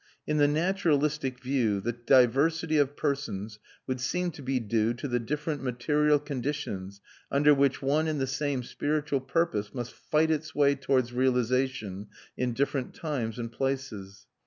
In the naturalistic view, the diversity of persons would seem to be due to the different material conditions under which one and the same spiritual purpose must fight its way towards realisation in different times and places.